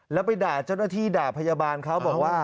แล้วไปด่าเจ้าหน้าที่ด่าพยาบาลเขาบอกว่า